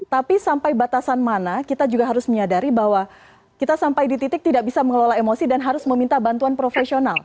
tapi sampai batasan mana kita juga harus menyadari bahwa kita sampai di titik tidak bisa mengelola emosi dan harus meminta bantuan profesional